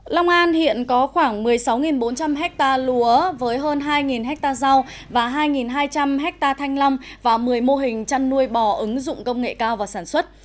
long an hiện có khoảng một mươi sáu bốn trăm linh hectare lúa với hơn hai hectare rau và hai hai trăm linh hectare thanh long và một mươi mô hình chăn nuôi bò ứng dụng công nghệ cao vào sản xuất